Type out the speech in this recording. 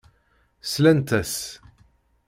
Slant-as.